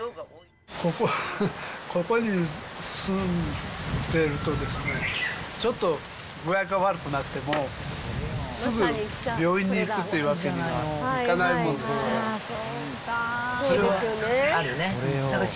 ここに住んでると、ちょっと具合が悪くなっても、すぐ病院に行くっていうわけにはいかないもんですから。